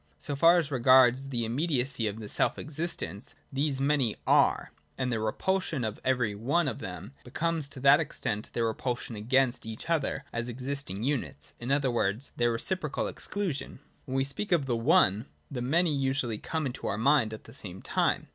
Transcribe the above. So far as regards the immediacy of the self existents, these Many are : and the repulsion of every One of them becomes to that extent their repul sion against each other as existing units, — in other words, their reciprocal exclusion. 97, 98 ] THE ONE AND THE MANY. i8i Whenever we speak of the One, the Many usually come into our mind at the same time.